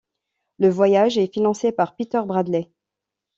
Le voyage est financé par Peter Bradley.